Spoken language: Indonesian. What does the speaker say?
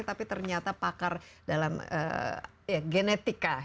tapi ternyata pakar dalam genetika